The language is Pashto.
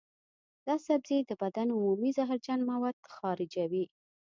دا سبزی د بدن عمومي زهرجن مواد خارجوي.